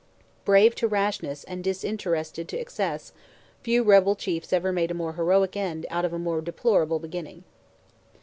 Brave to rashness and disinterested to excess, few rebel chiefs ever made a more heroic end out of a more deplorable beginning.